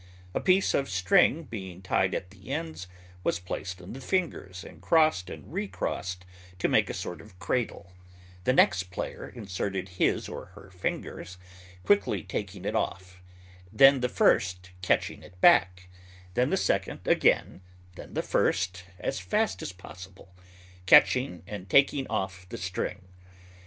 A piece of string, being tied at the ends, was placed on the fingers, and crossed and re crossed to make a sort of cradle; the next player inserted his or her fingers, quickly taking it off; then the first catching it back, then the second again, then the first, as fast as possible, catching and taking off the string.